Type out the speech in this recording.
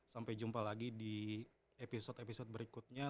sampai jumpa lagi di episode episode berikutnya